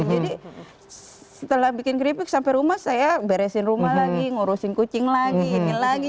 setelah bikin keripik sampai rumah saya beresin rumah lagi ngurusin kucing lagi ini lagi